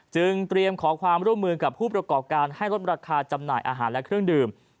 จึงเตรียมขอความร่วมมือกับผู้ประกอบการให้ลดราคาจำหน่ายอาหารและเครื่องดื่ม